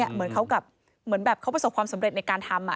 เหมือนเขาแบบเหมือนแบบเขาประสบความสำเร็จในการทำ